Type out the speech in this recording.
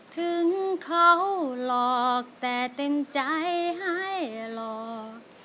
ถึงเขาหลอกแต่เต็มใจให้หลอก